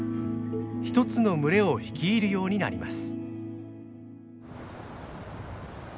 １つの群れを率いるようになります。